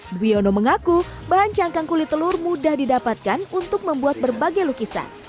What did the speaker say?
duwiono mengaku bahan cangkang kulit telur mudah didapatkan untuk membuat berbagai lukisan